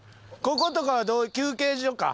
こことかは休憩所か。